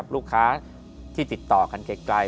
ลูกค้าที่ติดต่อกันไกล